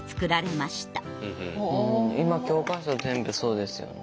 今教科書全部そうですよね。